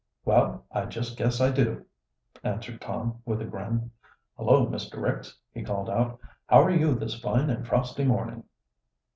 "Well, I just guess I do," answered Tom, with a grin. "Hullo, Mr. Ricks!" he called out. "How are you this fine and frosty morning?"